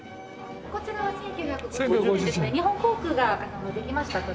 こちらは１９５１年ですね日本航空ができました年です。